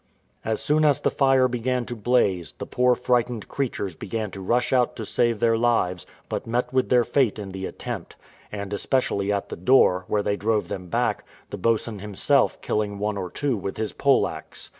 As soon as the fire begun to blaze, the poor frightened creatures began to rush out to save their lives, but met with their fate in the attempt; and especially at the door, where they drove them back, the boatswain himself killing one or two with his poleaxe.